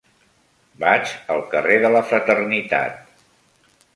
Vaig al carrer de la Fraternitat.